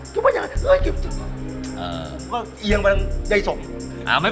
กิเลนพยองครับ